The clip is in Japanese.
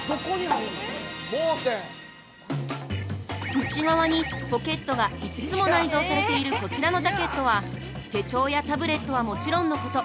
◆内側にポケットが５つも内蔵されているこちらのジャケットは手帳やタブレットはもちろんのこと